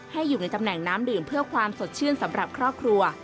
อยู่ในตำแหน่งน้ำดื่มเพื่อความสดชื่นสำหรับครอบครัว